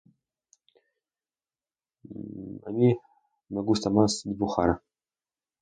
A mí me gusta más dibujar.